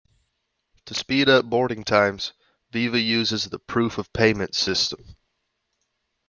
To speed up boarding times, Viva uses the "proof of payment" system.